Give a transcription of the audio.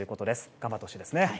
頑張ってほしいですね。